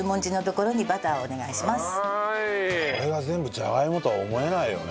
これが全部じゃがいもとは思えないよね。